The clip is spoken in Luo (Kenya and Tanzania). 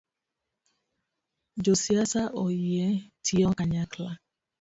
Josiasa oyie tiyo kanyakla